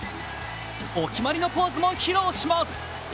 お決まりのポーズも披露します。